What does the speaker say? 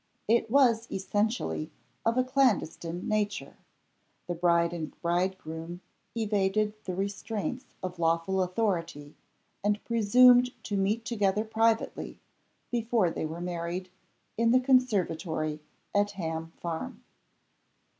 It was essentially of a clandestine nature. The bride and bridegroom evaded the restraints of lawful authority, and presumed to meet together privately, before they were married, in the conservatory at Ham Farm.